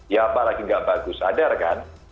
ya apa lagi nggak bagus sadar kan